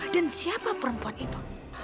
dan siapa perempuan itu